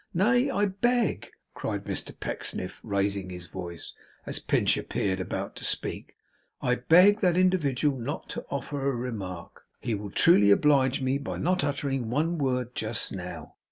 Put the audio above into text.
Nay! I beg,' cried Mr Pecksniff, raising his voice, as Pinch appeared about to speak, 'I beg that individual not to offer a remark; he will truly oblige me by not uttering one word, just now.